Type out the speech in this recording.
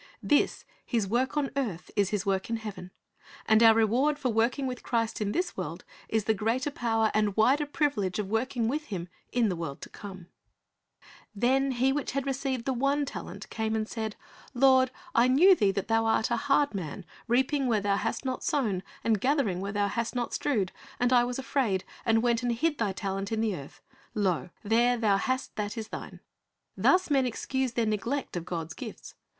"* This, His work on earth, is His work in heaven. And our reward for working with Christ in this world is the greater power and wider privilege of working with Him in the world to come. iMatt. 20:28 363 C h r I s t ' s O bj c c t Lessons "Then he which had received the one talent came and said, Lord, I knew thee that thou art an hard man, reaping where thou hast not sown, and gathering where thou hast not strewed; and I was afraid, and went and hid thy talent in the earth; lo, there thou hast that is thine." Thus men excuse their neglect of God's gifts.